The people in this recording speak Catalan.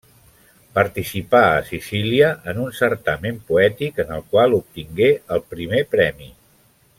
Participà a Sicília en un certamen poètic, en el qual obtingué el primer premi.